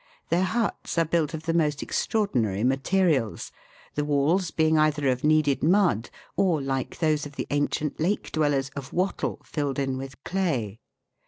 Their huts are built of the most extraordinary materials, the walls being either of kneaded mud, or, like those of the ancient Lake dwellers, of wattle, filled in with clay.